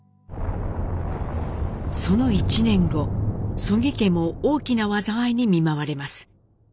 その１年後曽木家も大きな災いに見舞われます。